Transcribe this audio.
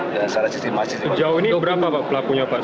jauh ini berapa pelakunya pak